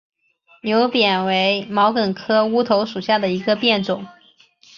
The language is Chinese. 牛扁为毛茛科乌头属下的一个变种。